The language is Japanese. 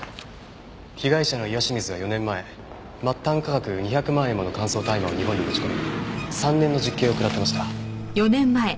被害者の岩清水は４年前末端価格２００万円もの乾燥大麻を日本に持ち込み３年の実刑を食らってました。